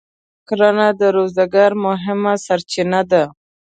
کرنه د روزګار مهمه سرچینه ده.